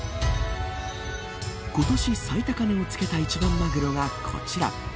今年最高値をつけた一番マグロはこちら。